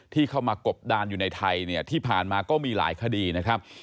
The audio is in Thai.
ที่เข้ามากบดานอยู่ในไทยเนี่ยที่ผ่านมาก็มีหลายคดีนะครับ